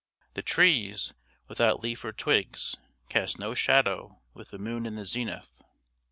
The trees, without leaf or twigs, cast no shadow with the moon in the zenith.